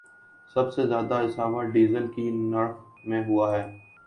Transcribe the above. سب سے زیادہ اضافہ ڈیزل کے نرخ میں ہوا ہے